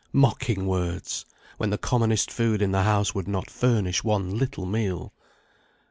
Mocking words! when the commonest food in the house would not furnish one little meal.